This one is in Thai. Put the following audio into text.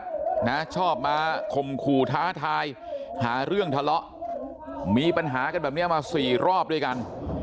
อย่างเกียรตินะชอบมาขมครูท้าทายหาเรื่องทะเลาะมีปัญหากันแบบนี้มา๔รอบด้วยกัน